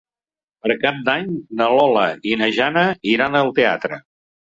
Per Cap d'Any na Lola i na Jana iran al teatre.